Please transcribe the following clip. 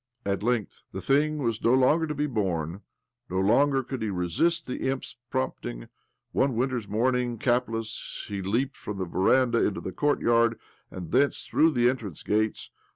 At length the thing was no longer to be borne ; no longer could he resist the imp's prompting. One winter's morning, capless, he leaped from the veranda into the court yard, and thence through the entrance gates.